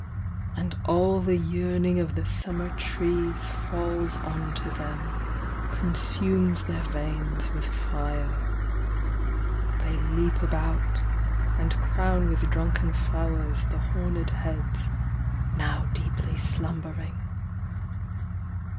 And all the yearning of the summer trees Falls on to them, consumes their veins with fire. They leap about, and crown with drunken d^ The horned heads, now deeply slumbering.